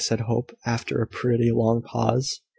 said Hope, after a pretty long pause.